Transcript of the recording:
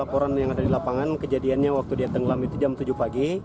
laporan yang ada di lapangan kejadiannya waktu dia tenggelam itu jam tujuh pagi